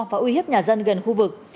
và uy hiếp nhà dân gần khu vực